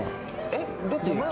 えっどっち？